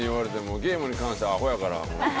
ゲームに関してはあほだから。